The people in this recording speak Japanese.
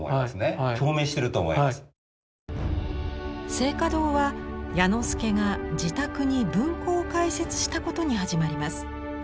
静嘉堂は彌之助が自宅に文庫を開設したことに始まります。